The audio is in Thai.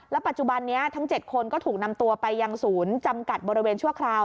ปัจจุบันนี้ทั้ง๗คนก็ถูกนำตัวไปยังศูนย์จำกัดบริเวณชั่วคราว